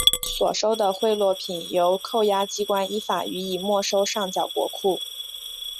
所收的贿赂品由扣押机关依法予以没收上缴国库。